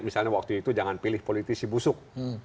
misalnya waktu itu jangan pilih politisi busuk